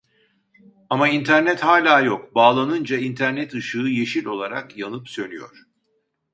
Ama internet hala yok bağlanınca internet ışığı yeşil olarak yanıp sönüyor